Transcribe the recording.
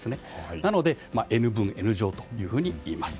なのでＮ分Ｎ乗方式といいます。